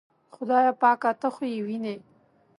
خدایه پاکه ته خو یې وینې.